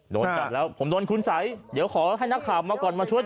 โดนจับแล้วผมโดนคุณสัยเดี๋ยวขอให้นักข่าวมาก่อนมาช่วย